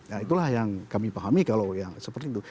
nah itulah yang kami pahami kalau yang seperti itu